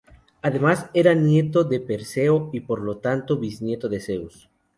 Además, era nieto de Perseo y, por lo tanto, bisnieto de Zeus.